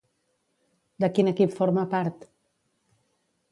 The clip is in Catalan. De quin equip forma part?